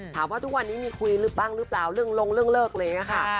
ถามว่าทุกวันนี้มีคุยบ้างหรือเปล่าเรื่องลงเรื่องเลิกอะไรอย่างนี้ค่ะ